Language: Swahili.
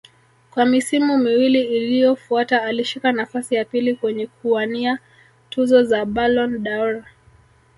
Kwa misimu miwili iliyofuata alishika nafasi ya pili kwenye kuwania tuzo za Ballon dâOr